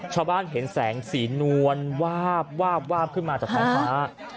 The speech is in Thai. ชาวบ้านเห็นแสงสีนวลวาบขึ้นมาจากไทยฟ้า